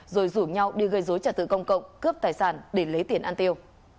rồi rủ nhau đi gây dối trả tự công cộng cướp tài sản để lấy tiền ăn tiêu